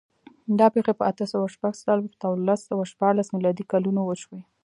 دا پېښې په اته سوه شپږ څلوېښت او لس سوه شپاړس میلادي کلونو وشوې.